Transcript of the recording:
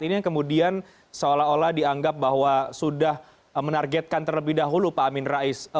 ini yang kemudian seolah olah dianggap bahwa sudah menargetkan terlebih dahulu pak amin rais